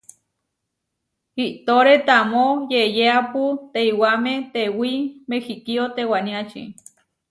Iʼtóre tamó yeʼyeápu teiwamé tewí Mehikío tewaniači.